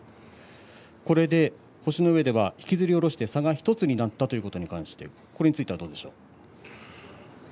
これで星の上では引きずり下ろして差が１つになったということに関してどうですか。